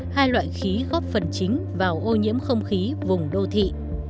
hai loại khí góp phần chính vào ô nhiễm không khí vùng đô thị